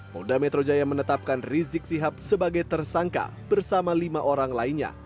polri menetapkan rizik sihab sebagai tersangka bersama lima orang lainnya